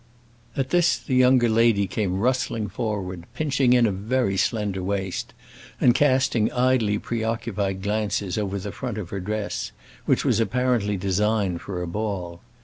At this the younger lady came rustling forward, pinching in a very slender waist, and casting idly preoccupied glances over the front of her dress, which was apparently designed for a ball.